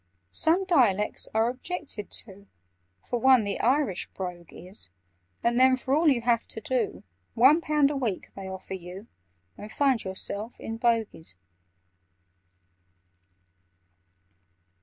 "Some dialects are objected to— For one, the Irish brogue is: And then, for all you have to do, One pound a week they offer you, And find yourself in Bogies!"